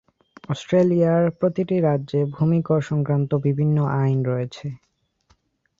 অস্ট্রেলিয়ার প্রতিটি রাজ্যে ভূমি কর সংক্রান্ত বিভিন্ন আইন রয়েছে।